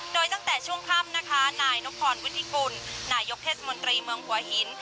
โดยตั้งแต่ช่วงค่ำนะคะนายนพรวุฒิกุลนายกเทศมนตรีเมืองหัวหิน